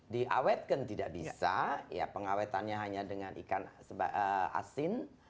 diawetkan tidak bisa ya pengawetannya hanya dengan ikan asin